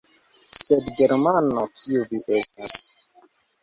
Sed, Germano, kiu vi estas!